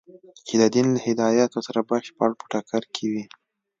چې د دین له هدایاتو سره بشپړ په ټکر کې وي.